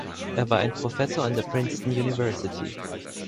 Er war ein Professor an der Princeton University.